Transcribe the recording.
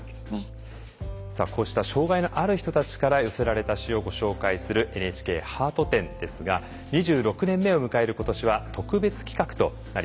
さあこうした障害のある人たちから寄せられた詩をご紹介するＮＨＫハート展ですが２６年目を迎える今年は特別企画となります。